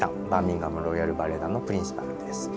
バーミンガム・ロイヤル・バレエ団のプリンシパルです。